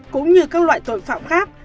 cũng như các loại tội phạm khác